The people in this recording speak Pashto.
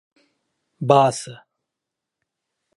باسه